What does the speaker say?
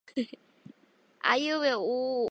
あいうえおおお